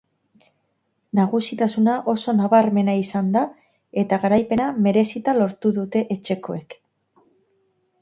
Nagusitasuna oso nabarmena izan da eta garaipena merezita lortu dute etxekoek.